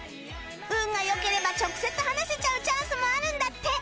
運が良ければ直接話せちゃうチャンスもあるんだって